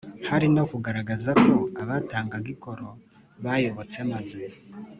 hari no kugaragaza ko abatangaga ikoro bayobotse maze